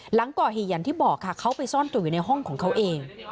หลังก่อเหตุอย่างที่บอกค่ะเขาไปซ่อนตัวอยู่ในห้องของเขาเอง